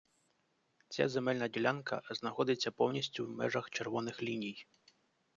Ця земельна ділянка знаходиться повністю в межах червоних ліній.